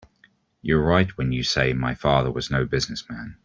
You're right when you say my father was no business man.